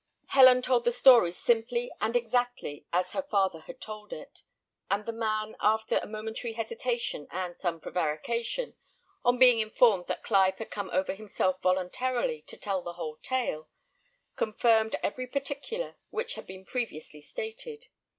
Helen told the story simply and exactly as her father had told it; and the man, after a momentary hesitation and some prevarication, on being informed that Clive had come over himself voluntarily to tell the whole tale, confirmed every particular which had been previously stated.